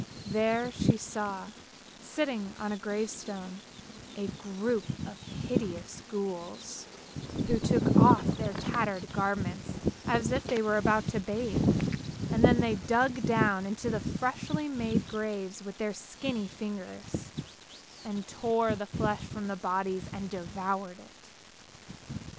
There she saw, sitting on a THE WILD SWANS 49 gravestone, a group of hideous ghouls, who took off their tattered garments, as if they were about to bathe, and then they dug down into the freshly made graves with their skinny fingers, and tore the flesh from the bodies and devoured it.